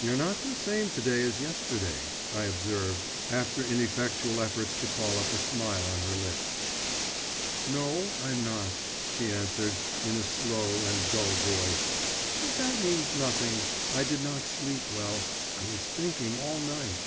'You're not the same to day as yesterday,' I observed, after ineffectual efforts to call up a smile on her lips. 'No, I'm not,' she answered, in a slow and dull voice. 'But that means nothing. I did not sleep well, I was thinking all night.